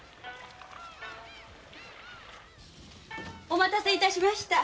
お待たせしました。